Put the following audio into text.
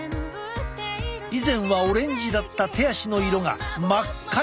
以前はオレンジだった手足の色が真っ赤に。